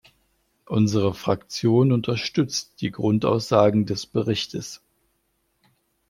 Unsere Fraktion unterstützt die Grundaussagen des Berichts.